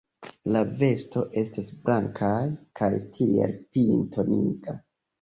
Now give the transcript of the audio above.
La vosto estas blankaj kaj ties pinto nigra.